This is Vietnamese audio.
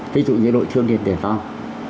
ví dụ như đội thương liên tuyển phong